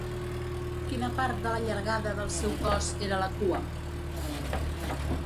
Quina part de la llargada del seu cos era la cua?